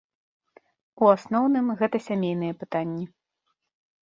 У асноўным, гэта сямейныя пытанні.